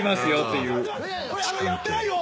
俺やってないよ。